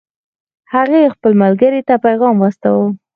هغې خپل ملګرې ته پیغام واستاوه